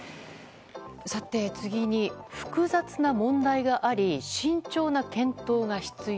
さて次に、複雑な問題があり慎重な検討が必要。